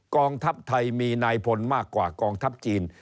กองทัพไทยมีนายพลมากกว่ากองทัพจีน